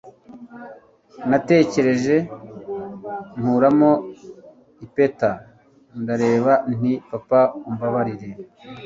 natekereje nkuramo impeta, ndareba nti 'papa umbabarire